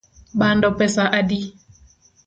Bando pesa adi?